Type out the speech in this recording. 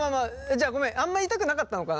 じゃあごめんあんま言いたくなかったのかな。